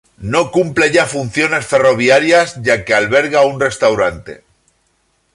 No cumple ya funciones ferroviarias ya que alberga un restaurante.